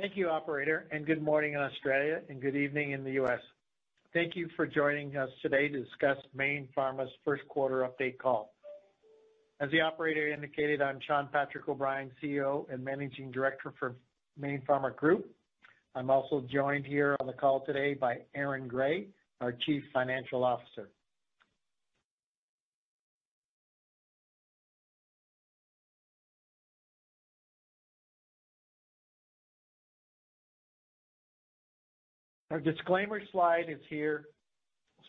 Thank you, operator, and good morning in Australia, and good evening in the US. Thank you for joining us today to discuss Mayne Pharma's Q1 update call. As the operator indicated, I'm Shawn Patrick O'Brien, CEO and Managing Director for Mayne Pharma Group. I'm also joined here on the call today by Aaron Gray, our Chief Financial Officer. Our disclaimer slide is here,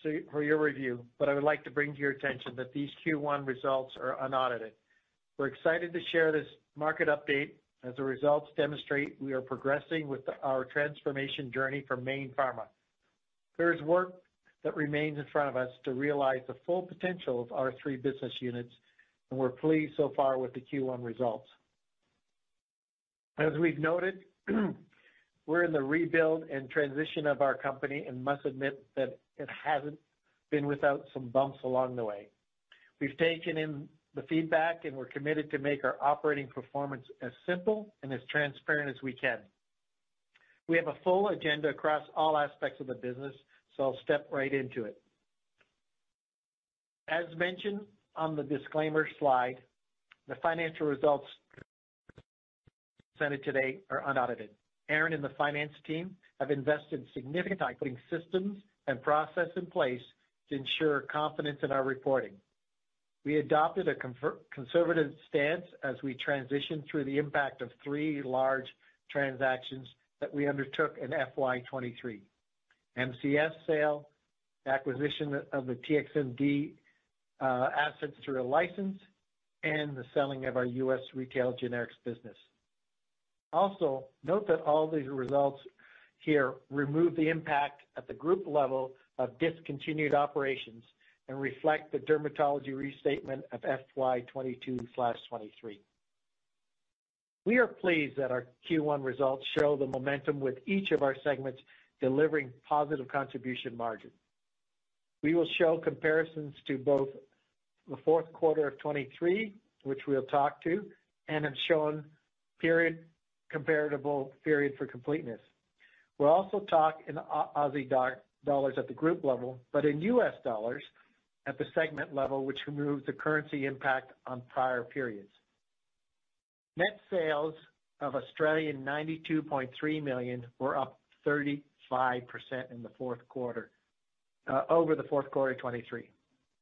so for your review, but I would like to bring to your attention that these Q1 results are unaudited. We're excited to share this market update. As the results demonstrate, we are progressing with our transformation journey from Mayne Pharma. There is work that remains in front of us to realize the full potential of our three business units, and we're pleased so far with the Q1 results. As we've noted, we're in the rebuild and transition of our company, and must admit that it hasn't been without some bumps along the way. We've taken in the feedback, and we're committed to make our operating performance as simple and as transparent as we can. We have a full agenda across all aspects of the business, so I'll step right into it. As mentioned on the disclaimer slide, the financial results presented today are unaudited. Aaron and the finance team have invested significant time putting systems and processes in place to ensure confidence in our reporting. We adopted a conservative stance as we transition through the impact of three large transactions that we undertook in FY 2023: MCS sale, acquisition of the TXMD assets through a license, and the selling of our US Retail Generics business. Also, note that all these results here remove the impact at the group level of discontinued operations and reflect the dermatology restatement of FY 2022/2023. We are pleased that our Q1 results show the momentum with each of our segments delivering positive contribution margin. We will show comparisons to both the Q4 of 2023, which we'll talk to, and have shown period-comparable period for completeness. We'll also talk in Aussie dollars at the group level, but in US dollars at the segment level, which removes the currency impact on prior periods. Net sales of 92.3 million were up 35% in the Q4 over the Q4 of 2023.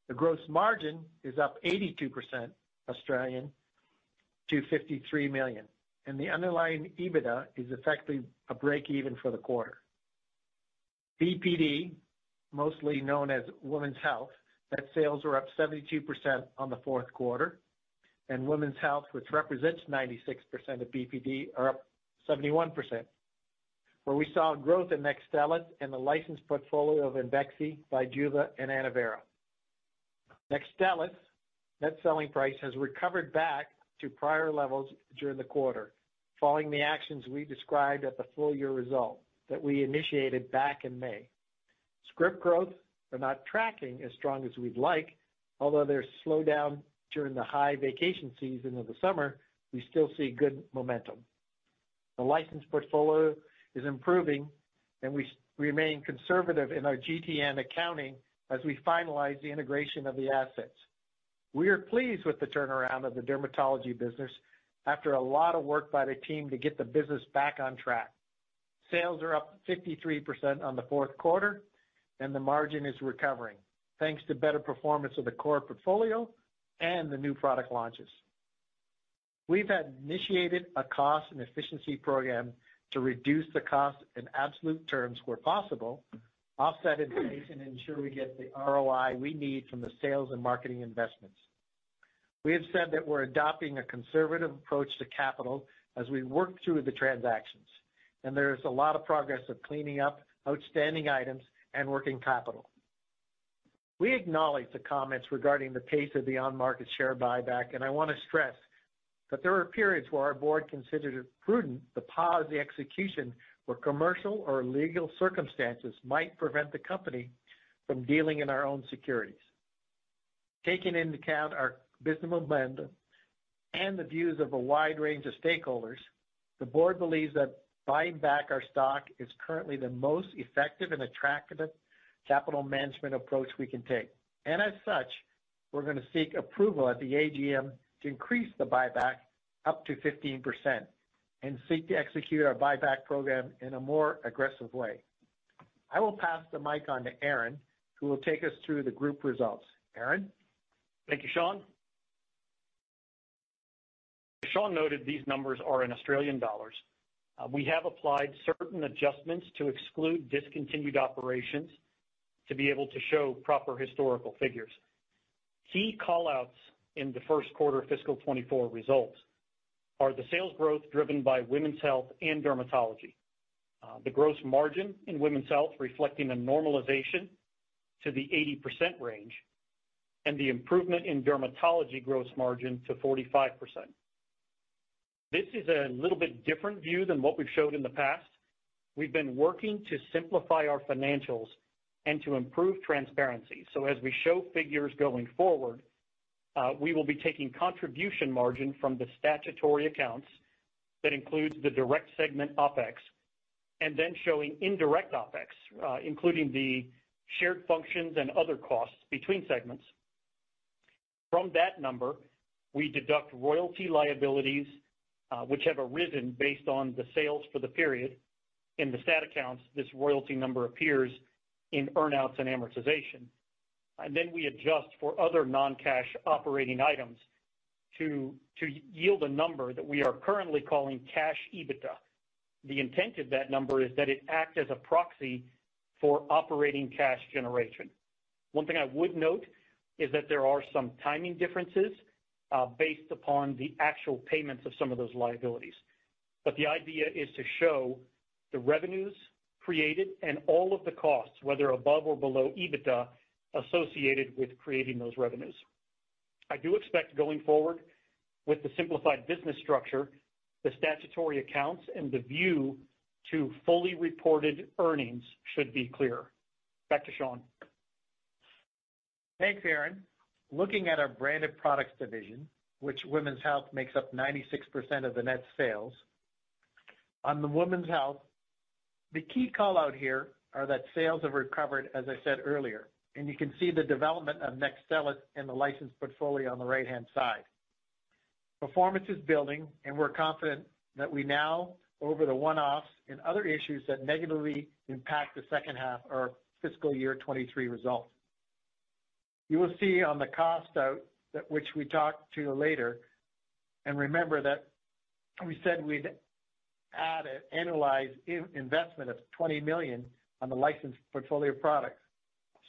The gross margin is up 82% Australian to 53 million, and the underlying EBITDA is effectively a break-even for the quarter. BPD, mostly known as Women's Health, net sales are up 72% on the Q4, and Women's Health, which represents 96% of BPD, are up 71%. Where we saw growth in NEXTSTELLIS and the licensed portfolio of IMVEXXY, BIJUVA, and ANNOVERA. NEXTSTELLIS, net selling price has recovered back to prior levels during the quarter, following the actions we described at the full year result that we initiated back in May. Script growth are not tracking as strong as we'd like. Although there's slowdown during the high vacation season of the summer, we still see good momentum. The licensed portfolio is improving, and we remain conservative in our GTN accounting as we finalize the integration of the assets. We are pleased with the turnaround of the dermatology business after a lot of work by the team to get the business back on track. Sales are up 53% on the Q4, and the margin is recovering, thanks to better performance of the core portfolio and the new product launches. We've had initiated a cost and efficiency program to reduce the cost in absolute terms where possible, offset inflation, and ensure we get the ROI we need from the sales and marketing investments. We have said that we're adopting a conservative approach to capital as we work through the transactions, and there is a lot of progress of cleaning up outstanding items and working capital. We acknowledge the comments regarding the pace of the on-market share buyback, and I want to stress that there are periods where our board considers it prudent to pause the execution where commercial or legal circumstances might prevent the company from dealing in our own securities. Taking into account our business blend and the views of a wide range of stakeholders, the board believes that buying back our stock is currently the most effective and attractive capital management approach we can take. And as such, we're gonna seek approval at the AGM to increase the buyback up to 15% and seek to execute our buyback program in a more aggressive way. I will pass the mic on to Aaron, who will take us through the group results. Aaron? Thank you, Shawn. Shawn noted these numbers are in Australian dollars. We have applied certain adjustments to exclude discontinued operations to be able to show proper historical figures. Key call-outs in the Q1 of fiscal 2024 results are the sales growth driven by women's health and dermatology, the gross margin in women's health reflecting a normalization to the 80% range, and the improvement in dermatology gross margin to 45%. This is a little bit different view than what we've showed in the past. We've been working to simplify our financials and to improve transparency. So as we show figures going forward, we will be taking contribution margin from the statutory accounts that includes the direct segment OpEx, and then showing indirect OpEx, including the shared functions and other costs between segments. From that number, we deduct royalty liabilities, which have arisen based on the sales for the period. In the statutory accounts, this royalty number appears in earn-outs and amortization. And then we adjust for other non-cash operating items to yield a number that we are currently calling cash EBITDA. The intent of that number is that it act as a proxy for operating cash generation. One thing I would note is that there are some timing differences based upon the actual payments of some of those liabilities. But the idea is to show the revenues created and all of the costs, whether above or below EBITDA, associated with creating those revenues. I do expect going forward, with the simplified business structure, the statutory accounts and the view to fully reported earnings should be clearer. Back to Shawn. Thanks, Aaron. Looking at our Branded Products division, which Women's Health makes up 96% of the net sales. On the Women's Health, the key call-out here are that sales have recovered, as I said earlier, and you can see the development of NEXTSTELLIS and the licensed portfolio on the right-hand side. Performance is building, and we're confident that we now, over the one-offs and other issues that negatively impact the second half of our fiscal year 2023 results. You will see on the cost out, that which we talk to you later, and remember that we said we'd add an annualized investment of 20 million on the licensed portfolio of products.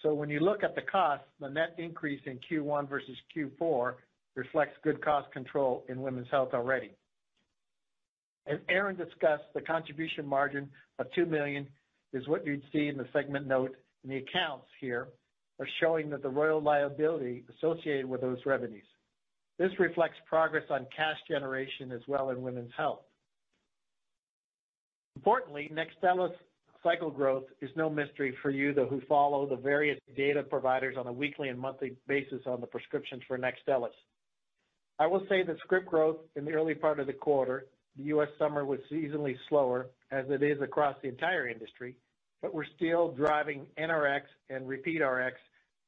So when you look at the cost, the net increase in Q1 versus Q4 reflects good cost control in Women's Health already. As Aaron discussed, the contribution margin of $2 million is what you'd see in the segment note, and the accounts here are showing that the royalty liability associated with those revenues. This reflects progress on cash generation as well in Women's Health. Importantly, NEXTSTELLIS cycle growth is no mystery for you, though, who follow the various data providers on a weekly and monthly basis on the prescriptions for NEXTSTELLIS. I will say that script growth in the early part of the quarter, the U.S. summer, was seasonally slower, as it is across the entire industry, but we're still driving NRX and repeat RX,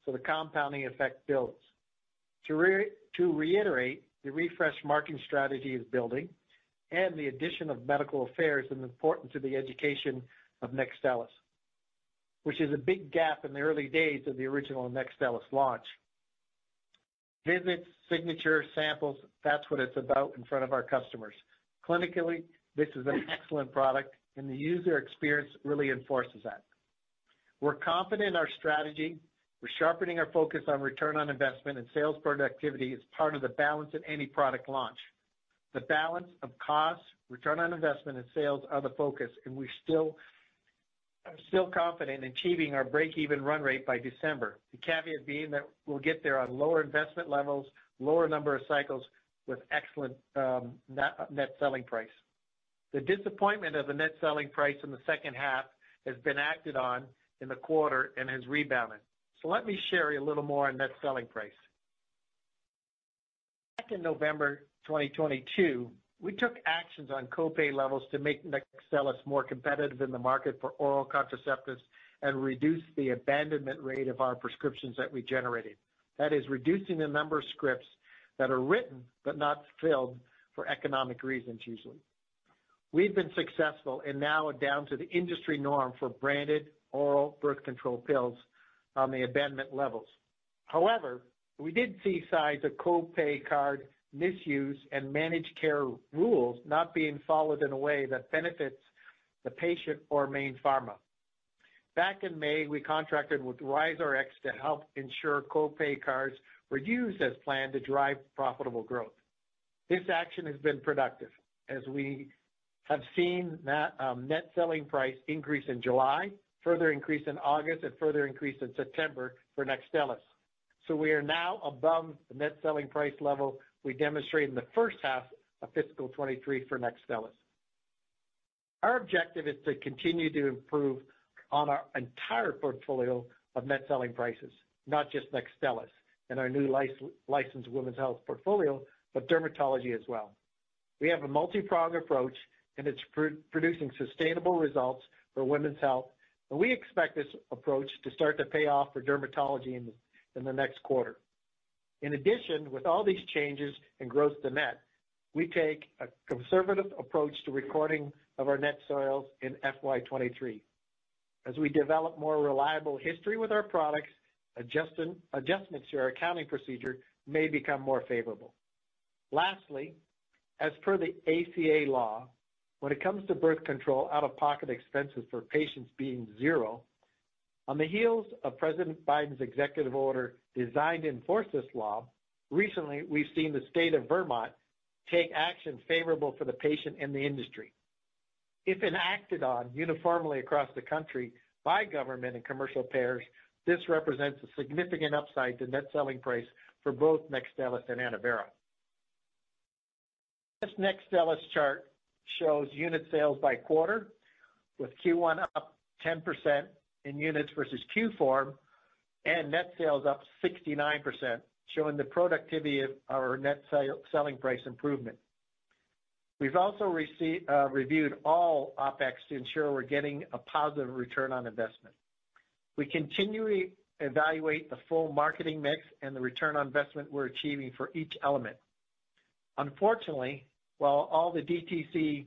so the compounding effect builds. To reiterate, the refreshed marketing strategy is building and the addition of medical affairs is important to the education of NEXTSTELLIS, which is a big gap in the early days of the original NEXTSTELLIS launch. Visits, signature, samples, that's what it's about in front of our customers. Clinically, this is an excellent product, and the user experience really enforces that. We're confident in our strategy. We're sharpening our focus on return on investment and sales productivity as part of the balance in any product launch. The balance of cost, return on investment, and sales are the focus, and we're still, I'm still confident in achieving our break-even run rate by December. The caveat being that we'll get there on lower investment levels, lower number of cycles with excellent net, net selling price. The disappointment of the net selling price in the second half has been acted on in the quarter and has rebounded. So let me share a little more on net selling price. Back in November 2022, we took actions on co-pay levels to make NEXTSTELLIS more competitive in the market for oral contraceptives and reduce the abandonment rate of our prescriptions that we generated. That is, reducing the number of scripts that are written but not filled for economic reasons, usually. We've been successful and now are down to the industry norm for branded oral birth control pills on the abandonment levels. However, we did see signs of co-pay card misuse and managed care rules not being followed in a way that benefits the patient or Mayne Pharma. Back in May, we contracted with RiseRx to help ensure co-pay cards were used as planned to drive profitable growth. This action has been productive, as we have seen net selling price increase in July, further increase in August, and further increase in September for NEXTSTELLIS. So we are now above the net selling price level we demonstrated in the first half of fiscal 2023 for NEXTSTELLIS. Our objective is to continue to improve on our entire portfolio of net selling prices, not just NEXTSTELLIS and our new licensed Women's Health portfolio, but dermatology as well. We have a multipronged approach, and it's producing sustainable results for Women's Health, and we expect this approach to start to pay off for dermatology in the next quarter. In addition, with all these changes in gross to net, we take a conservative approach to recording of our net sales in FY 2023. As we develop more reliable history with our products, adjustments to our accounting procedure may become more favorable. Lastly, as per the ACA law, when it comes to birth control, out-of-pocket expenses for patients being zero, on the heels of President Biden's executive order designed to enforce this law, recently, we've seen the state of Vermont take action favorable for the patient and the industry. If enacted on uniformly across the country by government and commercial payers, this represents a significant upside to net selling price for both NEXTSTELLIS and ANNOVERA. This next NEXTSTELLIS chart shows unit sales by quarter, with Q1 up 10% in units versus Q4, and net sales up 69%, showing the productivity of our net selling price improvement. We've also reviewed all OpEx to ensure we're getting a positive return on investment. We continually evaluate the full marketing mix and the return on investment we're achieving for each element. Unfortunately, while all the DTC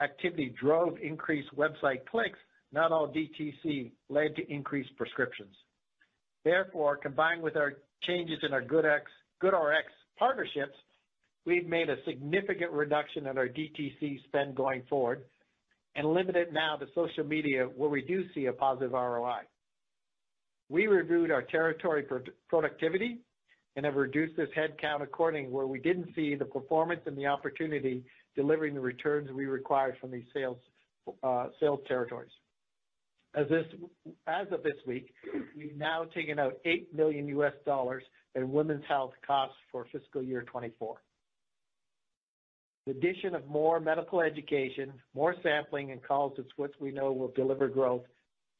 activity drove increased website clicks, not all DTC led to increased prescriptions. Therefore, combined with our changes in our GoodRx partnerships, we've made a significant reduction in our DTC spend going forward and limit it now to social media, where we do see a positive ROI. We reviewed our territory productivity and have reduced this headcount accordingly, where we didn't see the performance and the opportunity delivering the returns we required from these sales territories. As of this week, we've now taken out $8 million in women's health costs for fiscal year 2024. The addition of more medical education, more sampling and calls is what we know will deliver growth,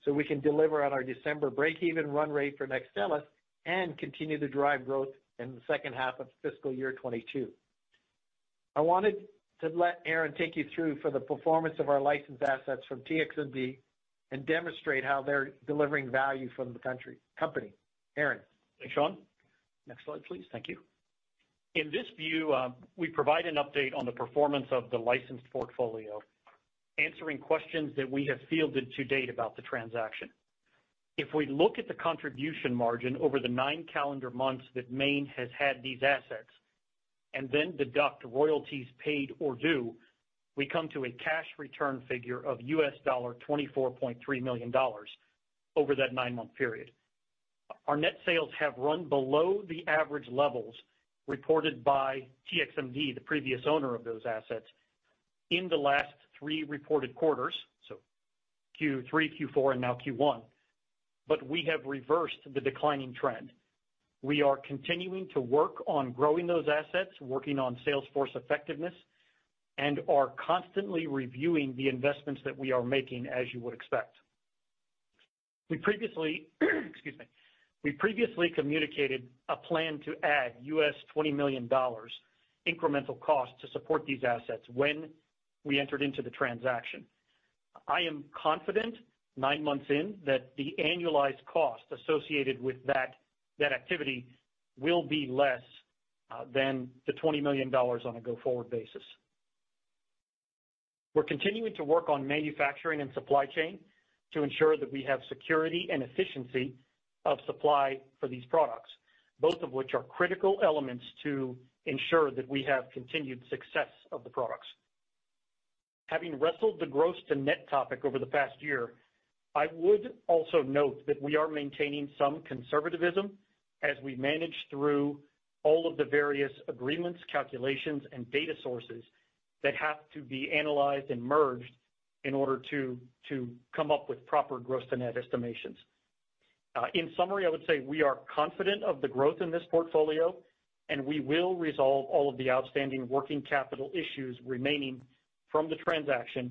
so we can deliver on our December breakeven run rate for NEXTSTELLIS and continue to drive growth in the second half of fiscal year 2022. I wanted to let Aaron take you through for the performance of our licensed assets from TXMD and demonstrate how they're delivering value from the country company. Aaron? Thanks, Shawn. Next slide, please. Thank you. In this view, we provide an update on the performance of the licensed portfolio, answering questions that we have fielded to date about the transaction. If we look at the contribution margin over the nine calendar months that Mayne has had these assets, and then deduct royalties paid or due, we come to a cash return figure of $24.3 million over that nine-month period. Our net sales have run below the average levels reported by TXMD, the previous owner of those assets, in the last three reported quarters, so Q3, Q4, and now Q1, but we have reversed the declining trend. We are continuing to work on growing those assets, working on sales force effectiveness, and are constantly reviewing the investments that we are making, as you would expect. We previously, excuse me. We previously communicated a plan to add U.S. $20 million incremental cost to support these assets when we entered into the transaction. I am confident, nine months in, that the annualized cost associated with that, that activity will be less than the $20 million on a go-forward basis. We're continuing to work on manufacturing and supply chain to ensure that we have security and efficiency of supply for these products, both of which are critical elements to ensure that we have continued success of the products. Having wrestled the gross to net topic over the past year, I would also note that we are maintaining some conservatism as we manage through all of the various agreements, calculations, and data sources that have to be analyzed and merged in order to come up with proper gross to net estimations. In summary, I would say we are confident of the growth in this portfolio, and we will resolve all of the outstanding working capital issues remaining from the transaction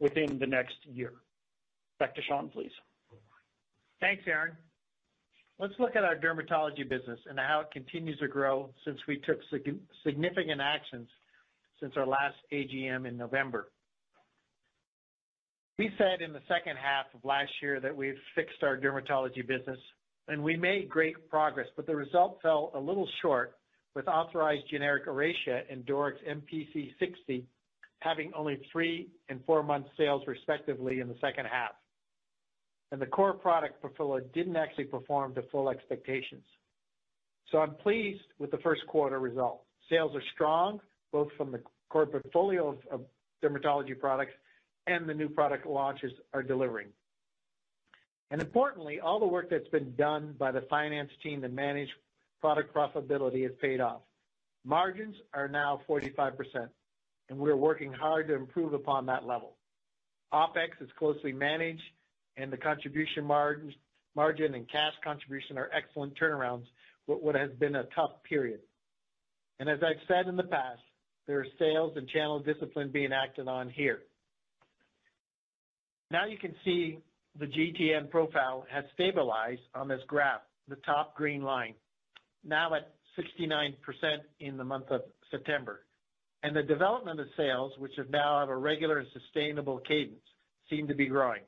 within the next year. Back to Shawn, please. Thanks, Aaron. Let's look at our dermatology business and how it continues to grow since we took significant actions since our last AGM in November. We said in the second half of last year that we've fixed our dermatology business, and we made great progress, but the result fell a little short, with authorized generic ORACEA and DORYX MPC 60 having only 3- and 4-month sales, respectively, in the second half. And the core product portfolio didn't actually perform to full expectations. So I'm pleased with the Q1 results. Sales are strong, both from the core portfolio of dermatology products and the new product launches are delivering. And importantly, all the work that's been done by the finance team to manage product profitability has paid off. Margins are now 45%, and we are working hard to improve upon that level. OpEx is closely managed and the contribution margin and cash contribution are excellent turnarounds with what has been a tough period. As I've said in the past, there are sales and channel discipline being acted on here. Now you can see the GTN profile has stabilized on this graph, the top green line, now at 69% in the month of September. The development of sales, which are now at a regular and sustainable cadence, seem to be growing.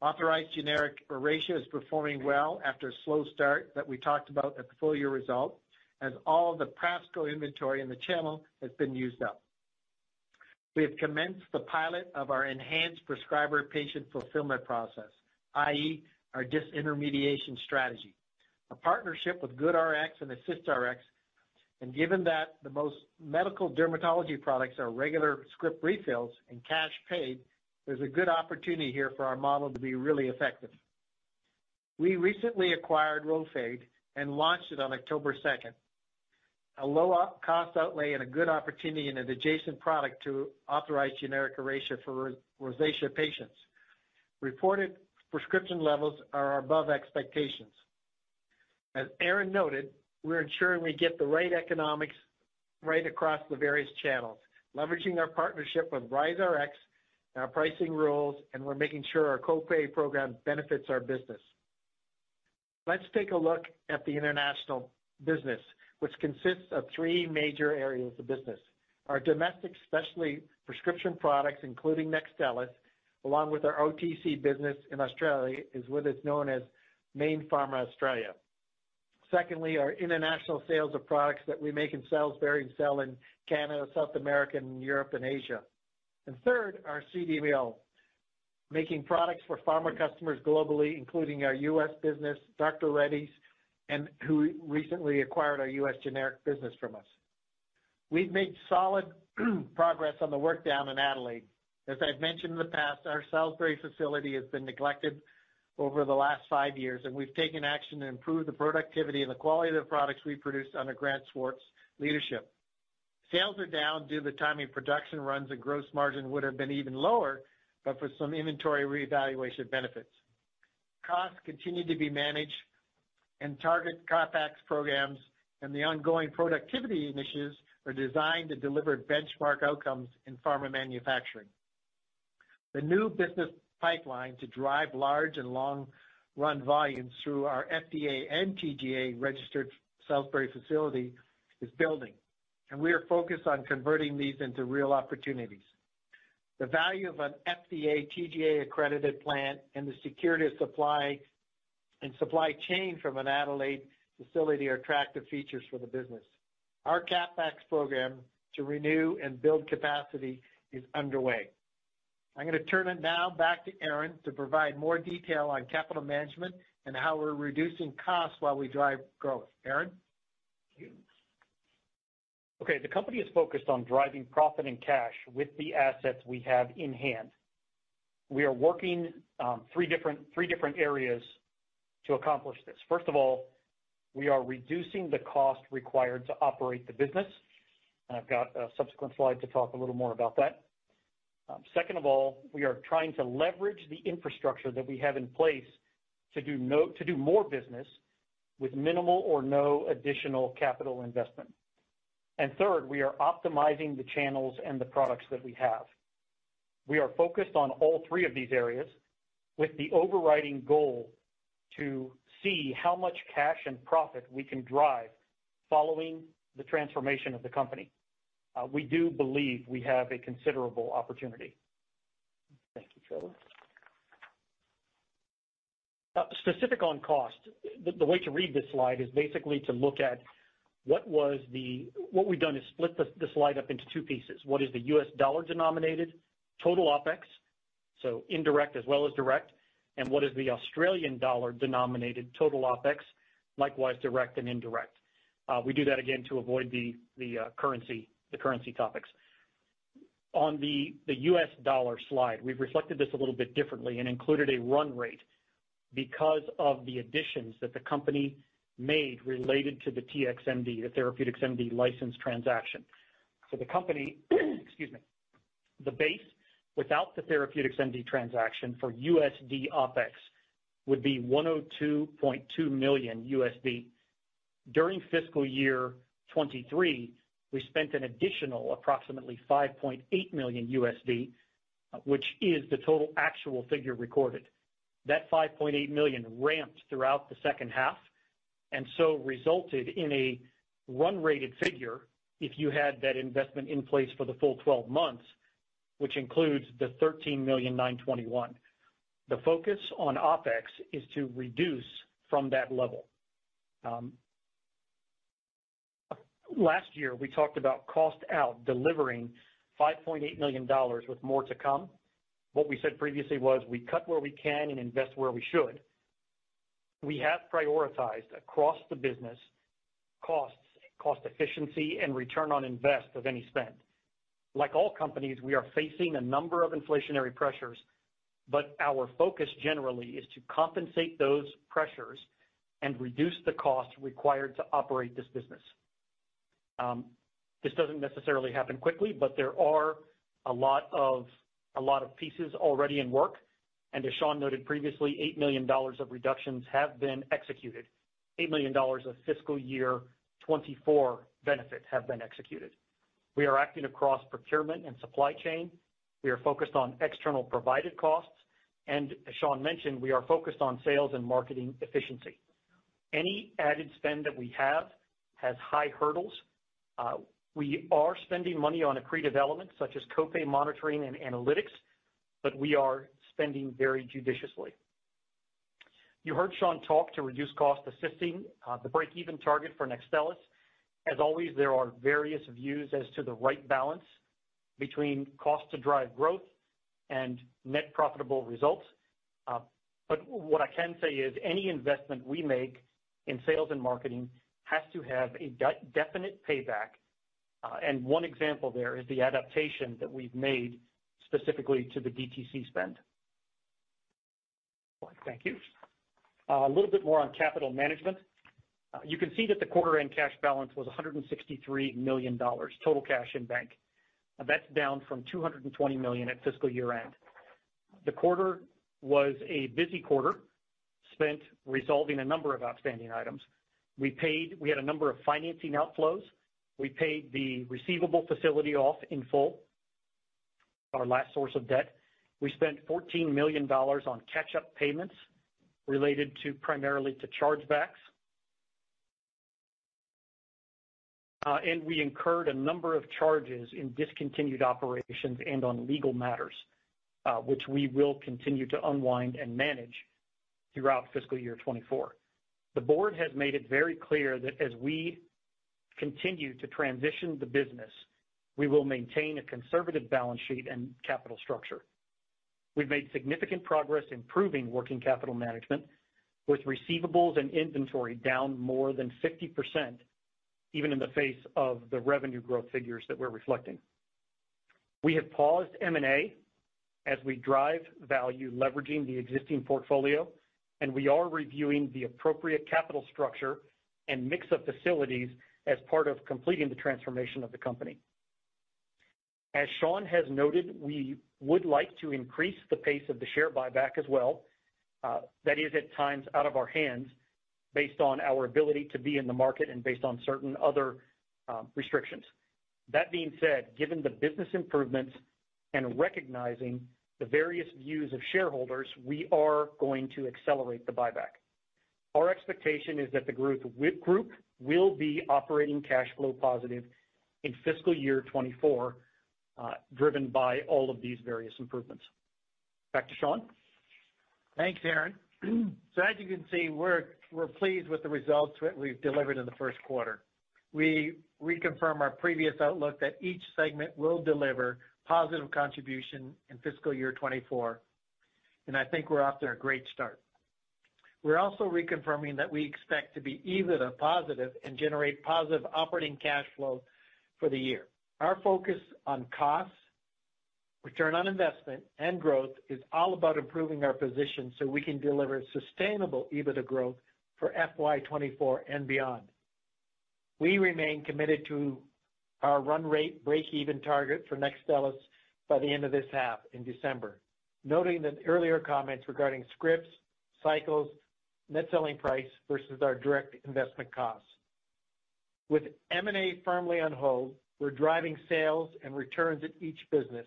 Authorized generic ORACEA is performing well after a slow start that we talked about at the full year result, as all the practical inventory in the channel has been used up. We have commenced the pilot of our enhanced prescriber-patient fulfillment process, i.e., our disintermediation strategy, a partnership with GoodRx and AssistRx, and given that the most medical dermatology products are regular script refills and cash paid, there's a good opportunity here for our model to be really effective. We recently acquired RHOFADE and launched it on October 2nd, a low OpEx outlay and a good opportunity in an adjacent product to authorize generic ORACEA for rosacea patients. Reported prescription levels are above expectations. As Aaron noted, we're ensuring we get the right economics right across the various channels, leveraging our partnership with RiseRx and our pricing rules, and we're making sure our co-pay program benefits our business. Let's take a look at the international business, which consists of three major areas of business. Our domestic specialty prescription products, including NEXTSTELLIS, along with our OTC business in Australia, is what is known as Mayne Pharma Australia. Secondly, our international sales of products that we make in Salisbury and sell in Canada, South America, and Europe and Asia. And third, our CDMO, making products for pharma customers globally, including our U.S. business, Dr. Reddy's, and who recently acquired our U.S. generic business from us. We've made solid progress on the work down in Adelaide. As I've mentioned in the past, our Salisbury facility has been neglected over the last five years, and we've taken action to improve the productivity and the quality of the products we produce under Grant Swart's leadership. Sales are down due to the timing of production runs, and gross margin would have been even lower, but for some inventory reevaluation benefits. Costs continue to be managed, and target CapEx programs and the ongoing productivity initiatives are designed to deliver benchmark outcomes in pharma manufacturing. The new business pipeline to drive large and long-run volumes through our FDA and TGA-registered Salisbury facility is building, and we are focused on converting these into real opportunities. The value of an FDA, TGA-accredited plant and the security of supply and supply chain from an Adelaide facility are attractive features for the business. Our CapEx program to renew and build capacity is underway. I'm gonna turn it now back to Aaron to provide more detail on capital management and how we're reducing costs while we drive growth. Aaron? Thank you. Okay, the company is focused on driving profit and cash with the assets we have in hand. We are working three different areas to accomplish this. First of all, we are reducing the cost required to operate the business, and I've got a subsequent slide to talk a little more about that. Second of all, we are trying to leverage the infrastructure that we have in place to do more business with minimal or no additional capital investment. And third, we are optimizing the channels and the products that we have. We are focused on all three of these areas with the overriding goal to see how much cash and profit we can drive following the transformation of the company. We do believe we have a considerable opportunity. Thank you, Trevor. Specific on cost, the way to read this slide is basically to look at what we've done is split the slide up into two pieces. What is the US dollar-denominated total OpEx, so indirect as well as direct, and what is the Australian dollar-denominated total OpEx, likewise, direct and indirect. We do that again to avoid the currency, the currency topics. On the US dollar slide, we've reflected this a little bit differently and included a run rate because of the additions that the company made related to the TXMD, the TherapeuticsMD license transaction. So the company, excuse me, the base without the TherapeuticsMD transaction for USD OpEx would be $102.2 million. During fiscal year 2023, we spent an additional approximately $5.8 million, which is the total actual figure recorded. That $5.8 million ramped throughout the second half, and so resulted in a run-rated figure if you had that investment in place for the full 12 months, which includes the $13.921 million. The focus on OpEx is to reduce from that level. Last year, we talked about cost out delivering $5.8 million with more to come. What we said previously was: We cut where we can and invest where we should. We have prioritized across the business costs, cost efficiency, and return on investment of any spend. Like all companies, we are facing a number of inflationary pressures, but our focus generally is to compensate those pressures and reduce the cost required to operate this business. This doesn't necessarily happen quickly, but there are a lot of, a lot of pieces already in work. And as Shawn noted previously, $8 million of reductions have been executed. $8 million of fiscal year 2024 benefits have been executed. We are acting across procurement and supply chain. We are focused on external provided costs, and as Shawn mentioned, we are focused on sales and marketing efficiency. Any added spend that we have has high hurdles. We are spending money on accretive elements such as co-pay monitoring and analytics, but we are spending very judiciously. You heard Shawn talk to reduce costs, assisting the breakeven target for NEXTSTELLIS. As always, there are various views as to the right balance between cost to drive growth and net profitable results. But what I can say is any investment we make in sales and marketing has to have a definite payback, and one example there is the adaptation that we've made specifically to the DTC spend. Thank you. A little bit more on capital management. You can see that the quarter-end cash balance was $163 million, total cash in bank. That's down from $220 million at fiscal year-end. The quarter was a busy quarter, spent resolving a number of outstanding items. We paid. We had a number of financing outflows. We paid the receivable facility off in full, our last source of debt. We spent $14 million on catch-up payments related to, primarily to chargebacks. And we incurred a number of charges in discontinued operations and on legal matters, which we will continue to unwind and manage throughout fiscal year 2024. The board has made it very clear that as we continue to transition the business, we will maintain a conservative balance sheet and capital structure. We've made significant progress improving working capital management, with receivables and inventory down more than 50%, even in the face of the revenue growth figures that we're reflecting. We have paused M&A as we drive value, leveraging the existing portfolio, and we are reviewing the appropriate capital structure and mix of facilities as part of completing the transformation of the company. As Shawn has noted, we would like to increase the pace of the share buyback as well. That is at times out of our hands, based on our ability to be in the market and based on certain other restrictions. That being said, given the business improvements and recognizing the various views of shareholders, we are going to accelerate the buyback. Our expectation is that the group will be operating cash flow positive in fiscal year 2024, driven by all of these various improvements. Back to Shawn. Thanks, Aaron. So as you can see, we're pleased with the results that we've delivered in the Q1. We reconfirm our previous outlook that each segment will deliver positive contribution in fiscal year 2024, and I think we're off to a great start. We're also reconfirming that we expect to be EBITDA positive and generate positive operating cash flow for the year. Our focus on costs, return on investment, and growth is all about improving our position so we can deliver sustainable EBITDA growth for FY 2024 and beyond. We remain committed to our run rate break-even target for NEXTSTELLIS by the end of this half in December, noting that earlier comments regarding scripts, cycles, net selling price versus our direct investment costs. With M&A firmly on hold, we're driving sales and returns at each business,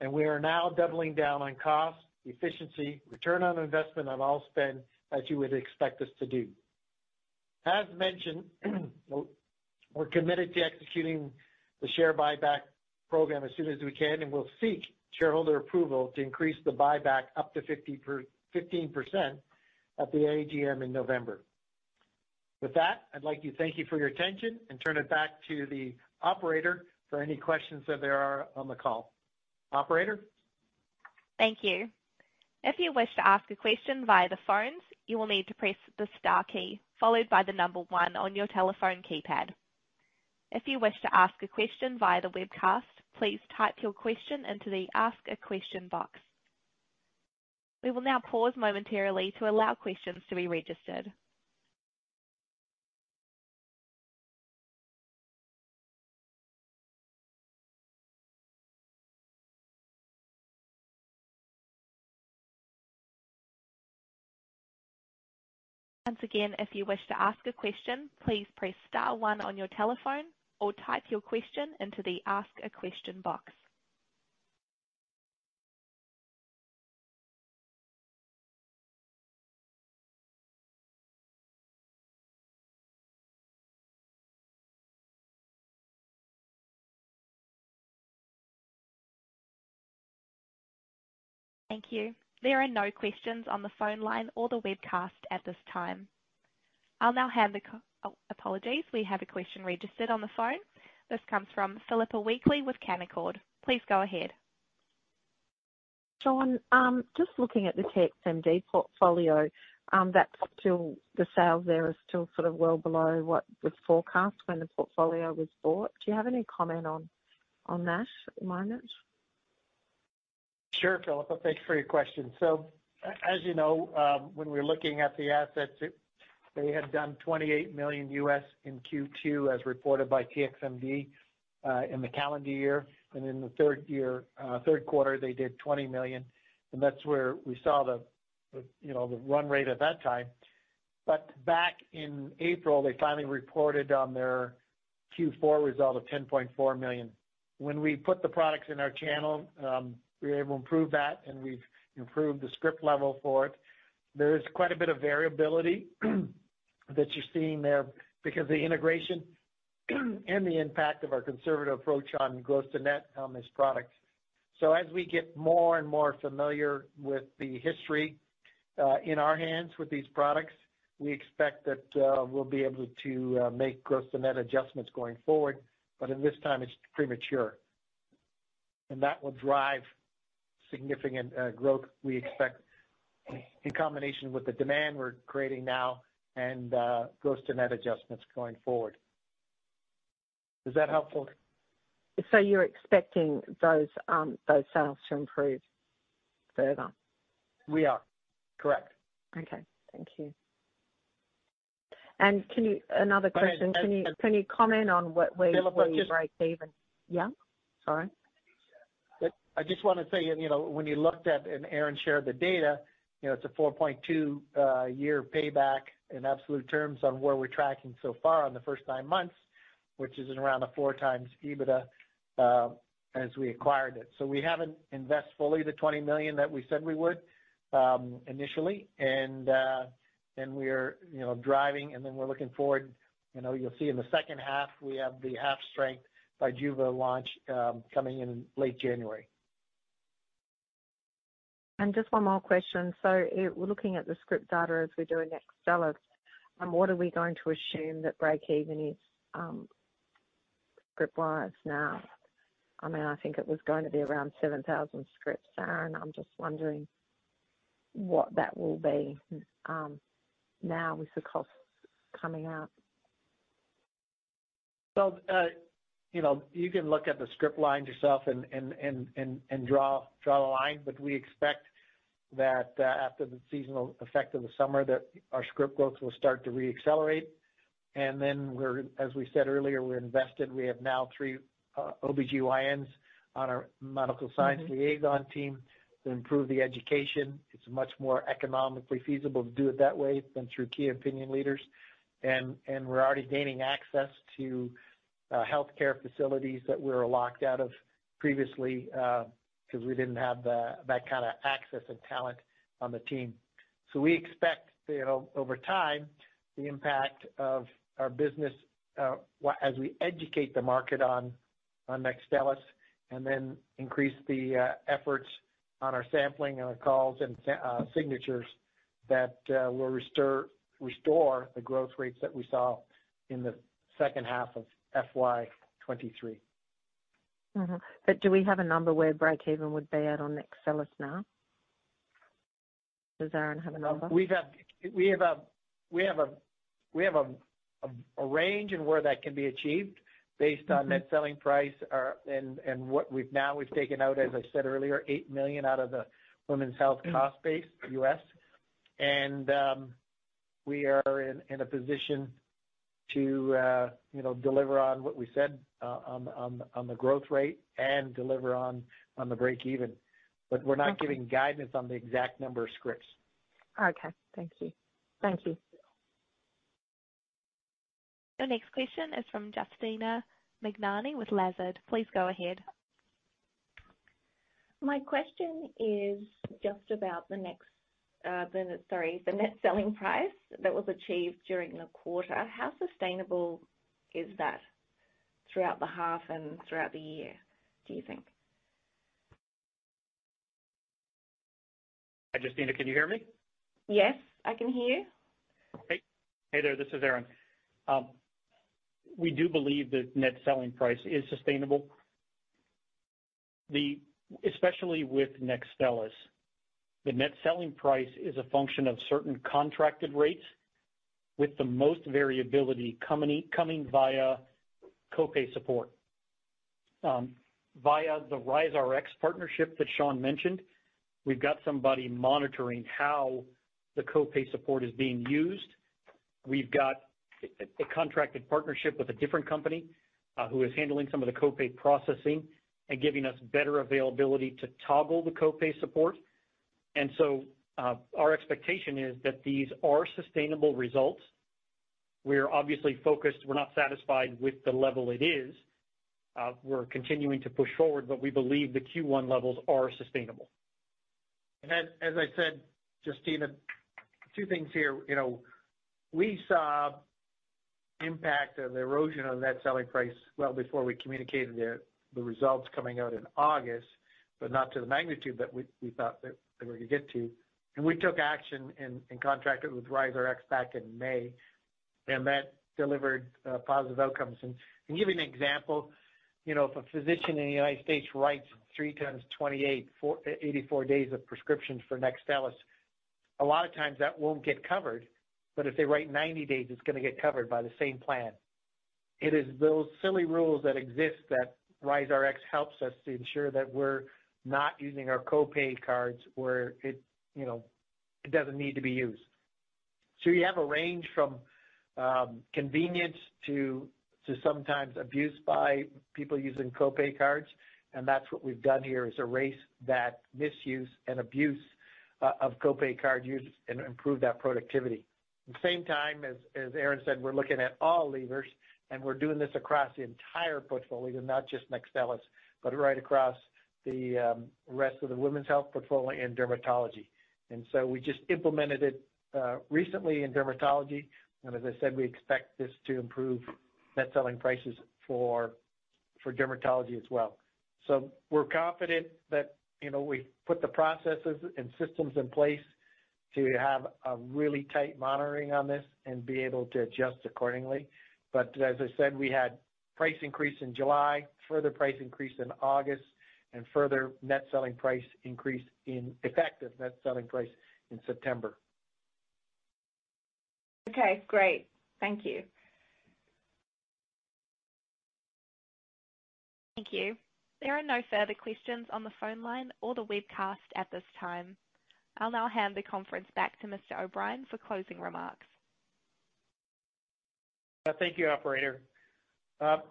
and we are now doubling down on cost, efficiency, return on investment on all spend, as you would expect us to do. As mentioned, we're committed to executing the share buyback program as soon as we can, and we'll seek shareholder approval to increase the buyback up to 15% at the AGM in November. With that, I'd like to thank you for your attention and turn it back to the operator for any questions that there are on the call. Operator? Thank you. If you wish to ask a question via the phones, you will need to press the star key, followed by the number one on your telephone keypad. If you wish to ask a question via the webcast, please type your question into the Ask a Question box. We will now pause momentarily to allow questions to be registered. Once again, if you wish to ask a question, please press star one on your telephone or type your question into the Ask a Question box. Thank you. There are no questions on the phone line or the webcast at this time. I'll now hand the co- Oh, apologies. We have a question registered on the phone. This comes from Philippa Weekley with Canaccord. Please go ahead. Shawn, just looking at the TXMD portfolio, that's still the sales there are still sort of well below what was forecast when the portfolio was bought. Do you have any comment on that at the moment? Sure, Philippa. Thanks for your question. So as you know, when we were looking at the assets, they had done $28 million in Q2, as reported by TXMD, in the calendar year. And in the third year, Q3, they did $20 million, and that's where we saw the, the, you know, the run rate at that time. But back in April, they finally reported on their Q4 result of $10.4 million. When we put the products in our channel, we were able to improve that, and we've improved the script level for it. There is quite a bit of variability, that you're seeing there because the integration, and the impact of our conservative approach on gross to net on this product. So as we get more and more familiar with the history in our hands with these products, we expect that we'll be able to make gross to net adjustments going forward. But at this time, it's premature. That will drive significant growth, we expect, in combination with the demand we're creating now and gross to net adjustments going forward. Is that helpful? You're expecting those, those sales to improve further? We are. Correct. Okay. Thank you. And another question, can you comment on what way, where you write save? Yeah, sorry? I just want to say, you know, when you looked at, and Aaron shared the data, you know, it's a 4.2-year payback in absolute terms on where we're tracking so far on the first nine months, which is around a 4x EBITDA, as we acquired it. So we haven't invest fully the 20 million that we said we would, initially. And, and we're, you know, driving, and then we're looking forward. You know, you'll see in the second half, we have the half-strength BIJUVA launch, coming in late January. Just one more question. So we're looking at the script data as we do in NEXTSTELLIS, and what are we going to assume that breakeven is, script-wise now? I mean, I think it was going to be around 7,000 scripts, Aaron. I'm just wondering what that will be, now with the costs coming out? Well, you know, you can look at the script lines yourself and draw the line, but we expect that, after the seasonal effect of the summer, that our script books will start to reaccelerate. And then we're, as we said earlier, we're invested. We have now 3 OBGYNs on our medical science liaison team to improve the education. It's much more economically feasible to do it that way than through key opinion leaders. And we're already gaining access to healthcare facilities that we were locked out of previously, because we didn't have that kind of access and talent on the team. So we expect, you know, over time, the impact of our business as we educate the market on, on NEXTSTELLIS, and then increase the efforts on our sampling and our calls and signatures, that will restore, restore the growth rates that we saw in the second half of FY 2023. Uh-huh. But do we have a number where breakeven would be at on NEXTSTELLIS now? Does Aaron have a number? We have a range in where that can be achieved based on net selling price, and what we've now taken out, as I said earlier, $8 million out of the women's health cost base, US. We are in a position to, you know, deliver on what we said, on the growth rate and deliver on the breakeven. But we're not giving guidance on the exact number of scripts. Okay. Thank you. Thank you. Your next question is from Justina McMenamin with Lazard. Please go ahead. My question is just about the net selling price that was achieved during the quarter. How sustainable is that throughout the half and throughout the year, do you think? Hi, Justina, can you hear me? Yes, I can hear you. Hey, hey there, this is Aaron. We do believe that net selling price is sustainable. The especially with NEXTSTELLIS, the net selling price is a function of certain contracted rates, with the most variability coming via co-pay support. Via the RiseRx partnership that Shawn mentioned, we've got somebody monitoring how the co-pay support is being used. We've got a contracted partnership with a different company who is handling some of the co-pay processing and giving us better availability to toggle the co-pay support. And so, our expectation is that these are sustainable results. We're obviously focused. We're not satisfied with the level it is. We're continuing to push forward, but we believe the Q1 levels are sustainable. As I said, Justina, two things here. You know, we saw impact of the erosion of net selling price well before we communicated the results coming out in August, but not to the magnitude that we thought that we're gonna get to. And we took action and contracted with RiseRx back in May, and that delivered positive outcomes. And to give you an example, you know, if a physician in the United States writes three times 28, 84 days of prescriptions for NEXTSTELLIS, a lot of times that won't get covered, but if they write 90 days, it's gonna get covered by the same plan. It is those silly rules that exist that RiseRx helps us to ensure that we're not using our co-pay cards where it, you know, it doesn't need to be used. So you have a range from convenience to sometimes abuse by people using co-pay cards, and that's what we've done here, is erase that misuse and abuse of co-pay card use and improve that productivity. At the same time, as Aaron said, we're looking at all levers, and we're doing this across the entire portfolio, not just NEXTSTELLIS, but right across the rest of the women's health portfolio and dermatology. And so we just implemented it recently in dermatology, and as I said, we expect this to improve net selling prices for dermatology as well. So we're confident that, you know, we've put the processes and systems in place to have a really tight monitoring on this and be able to adjust accordingly. But as I said, we had price increase in July, further price increase in August, and further net selling price increase in effective net selling price in September. Okay, great. Thank you. Thank you. There are no further questions on the phone line or the webcast at this time. I'll now hand the conference back to Mr. O'Brien for closing remarks. Thank you, operator.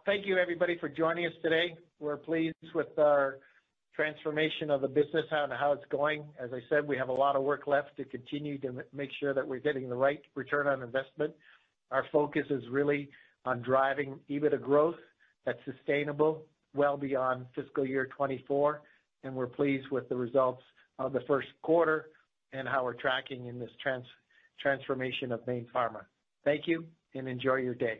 Thank you, everybody, for joining us today. We're pleased with our transformation of the business and how it's going. As I said, we have a lot of work left to continue to make sure that we're getting the right return on investment. Our focus is really on driving EBITDA growth that's sustainable, well beyond fiscal year 2024, and we're pleased with the results of the Q1 and how we're tracking in this transformation of Mayne Pharma. Thank you, and enjoy your day.